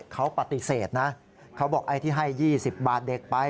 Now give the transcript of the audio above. เขาปฏิเสธนะเขาบอกไอ้ที่ให้๒๐บาทเด็กไป